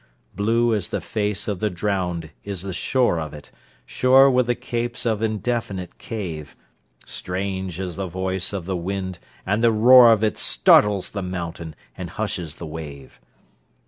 Blue as the face of the drowned is the shore of it—Shore, with the capes of indefinite cave. Strange is the voice of its wind, and the roar of itStartles the mountain and hushes the wave.